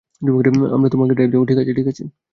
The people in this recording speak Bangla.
আমরা তোমাকে ড্রাইভ দেব, ঠিক আছে?